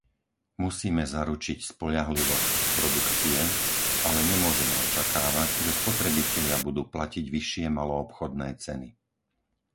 Musíme zaručiť spoľahlivosť produkcie, ale nemôžeme očakávať, že spotrebitelia budú platiť vyššie maloobchodné ceny.